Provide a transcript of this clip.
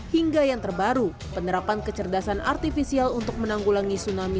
hingga yang terbaru penerapan kecerdasan artifisial untuk menanggulangi tsunami